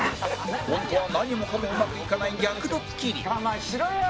ホントは何もかもうまくいかない逆ドッキリ我慢しろよ！